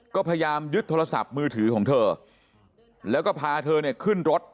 ก็พยายามยึดโทรศัพท์มือถือของเธอแล้วก็พาเธอเนี่ยขึ้นรถ